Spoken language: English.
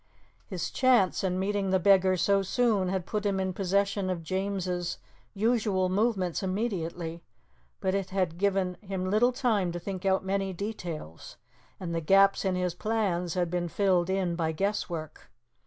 His chance in meeting the beggar so soon had put him in possession of James's usual movements immediately, but it had given him little time to think out many details, and the gaps in his plans had been filled in by guesswork.